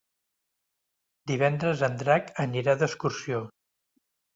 Divendres en Drac anirà d'excursió.